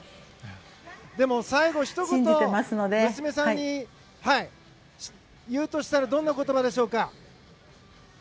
最後娘さんにひと言、言うとしたらどんな言葉でしょうか。